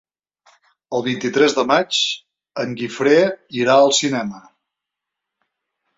El vint-i-tres de maig en Guifré irà al cinema.